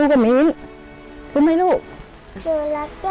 โดยที่ต้นไม่ลบค่ะ